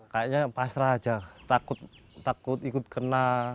kayaknya pasrah aja takut ikut kena